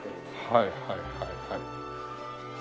はいはいはいはい。